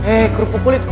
eh kerupuk kulit gue